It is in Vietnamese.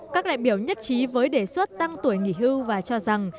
các đại biểu nhất trí với đề xuất tăng tuổi nghỉ hưu và cho rằng